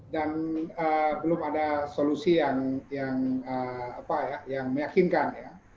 dan belum ada solusi yang meyakinkan ya